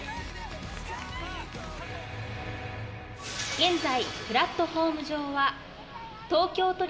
現在プラットホーム上は。